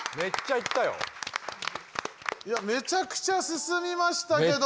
いやめちゃくちゃ進みましたけども。